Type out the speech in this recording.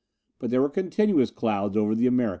But there were continuous clouds over the Americas.